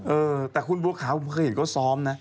เออแต่คุณปุ๊กฮาผมเคยเห็นเค้าซ้อมน่ะ